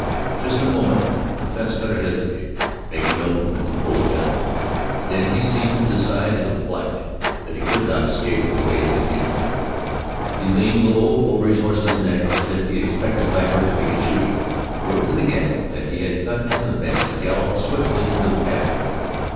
Just a moment the fence cutter hesitated, making no movement to pull a gun, then he seemed to decide in a flash that he could not escape the way that he had come. He leaned low over his horse's neck, as if he expected Lambert to begin shooting, rode through the gap that he had cut in the fence, and galloped swiftly into the pasture.